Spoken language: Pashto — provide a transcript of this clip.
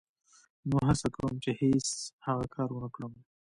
نو هڅه کوم چې هېڅ هغه کار و نه کړم.